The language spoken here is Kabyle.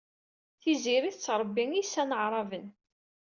Tiziri tettṛebbi iysan aɛṛaben.